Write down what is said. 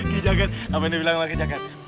gijagat apa yang dibilang sama gijagat